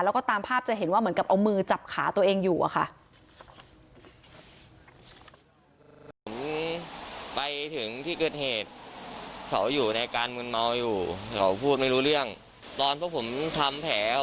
แล้วก็ตามภาพจะเห็นว่าเหมือนกับเอามือจับขาตัวเองอยู่อะค่ะ